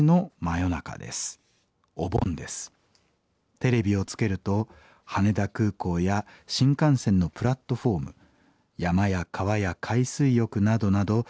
テレビをつけると羽田空港や新幹線のプラットホーム山や川や海水浴などなど映る人